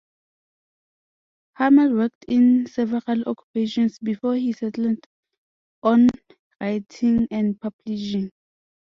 Hammel worked in several occupations before he settled on writing and publishing.